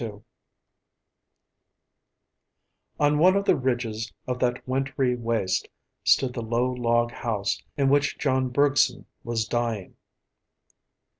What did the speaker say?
II On one of the ridges of that wintry waste stood the low log house in which John Bergson was dying.